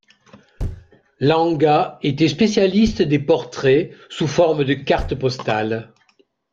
Langa était spécialiste des portraits sous forme de cartes postales.